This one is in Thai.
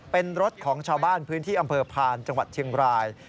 เป็นรถของชาวบ้านพื้นที่อำเภอพานจังหวัดเชียงราย